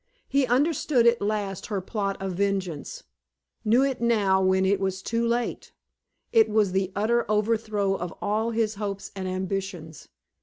He understood at last her plot of vengeance knew it now when it was too late. It was the utter overthrow of all his hopes and ambitions.